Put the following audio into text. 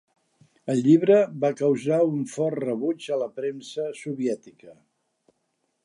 El llibre va causar un fort rebuig a la premsa soviètica.